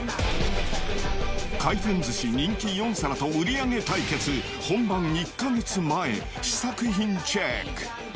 回転寿司人気４皿と売り上げ対決、本番１か月前、試作品チェック。